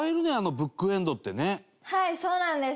はいそうなんです。